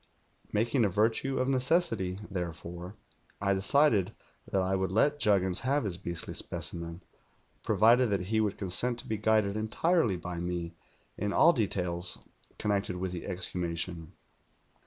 Making a virtue of ne cessity, therefore, I decided that I would let Juggins have his beastly specimen, provided that he would consent to be guided entirely by me in all details connected with the exhumation.